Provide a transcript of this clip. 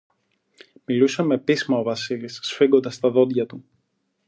Μιλούσε με πείσμα ο Βασίλης, σφίγγοντας τα δόντια του